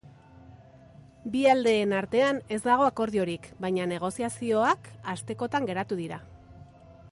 Bi aldeen artean ez dago akordiorik, baina negoziazioak hastekotan geratu dira.